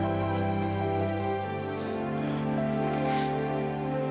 kami percaya sama kakak